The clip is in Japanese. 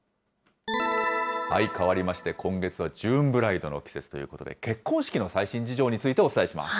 かわりまして、今月はジューンブライドの季節ということで、結婚式の最新事情についてお伝えします。